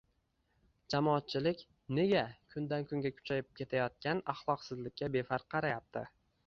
Jamoatchilik nega kundan-kunga kuchayib ketayotgan axloqsizlikka befarq qarayapti?